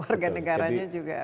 warga negaranya juga